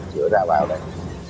cửa ra vào đây